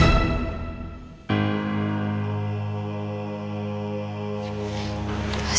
innerwijasa pun ini